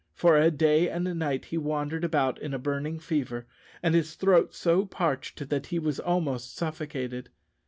For a day and a night he wandered about in a burning fever, and his throat so parched that he was almost suffocated.